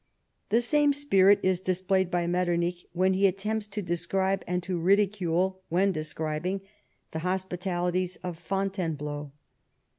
The same spirit is displayed by Metternich when he attempts to describe, and to ridicule when describing, the hospitalities of Fontainebleau.